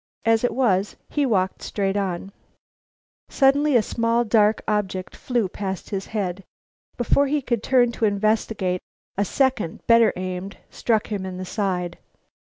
As it was, he walked straight on. Suddenly a small, dark object flew past his head. Before he could turn to investigate, a second, better aimed, struck him in the side.